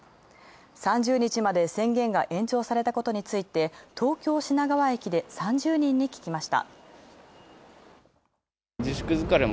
３０日まで宣言が延長されたことについて東京・品川駅で３０人に聞きました。